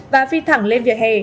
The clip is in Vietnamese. và phi thẳng lên vỉa hè